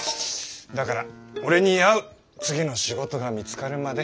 だから俺に合う次の仕事が見つかるまで。